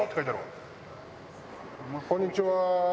こんにちは。